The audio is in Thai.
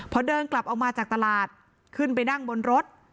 พอเดินกลับออกมาจากตลาดขึ้นไปนั่งบนรถ